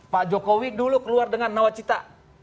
pak jokowi dulu keluar dengan nawacita